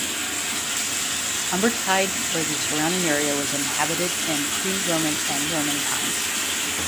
Umbertide or the surrounding area was inhabited in pre-Roman and Roman times.